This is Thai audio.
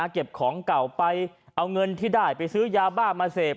เก็บของเก่าไปเอาเงินที่ได้ไปซื้อยาบ้ามาเสพ